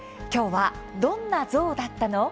きょうは「どんなゾウだったの？